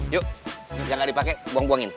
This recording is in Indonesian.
yang gak dipake buang buangin